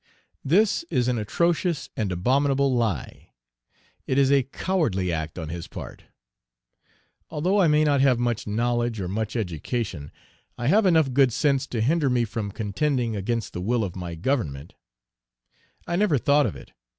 This is an atrocious and abominable lie: it is a cowardly act on his part. Although I may not have much knowledge or much education, I have enough good sense to hinder me from contending against the will of my Government; I never thought of it.